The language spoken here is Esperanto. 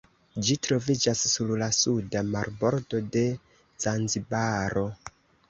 Ĝi troviĝas sur la suda marbordo de Zanzibaro.